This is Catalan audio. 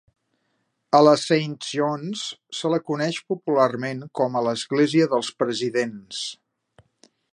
A la de Saint John's se la coneix popularment com a l'"Església dels presidents".